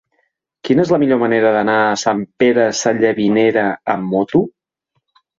Quina és la millor manera d'anar a Sant Pere Sallavinera amb moto?